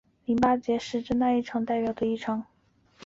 淋巴结的增大经常代表异常。